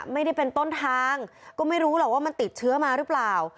ไม่ได้เป็นต้นทางก็ไม่รู้หรอกว่ามันติดเชื้อมาหรือเปล่า